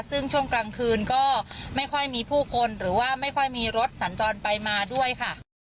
ซึ่งช่วงกลางคืนก็ไม่ค่อยมีผู้คนหรือว่าไม่ค่อยมีรถสัญจรไปมาด้วยค่ะ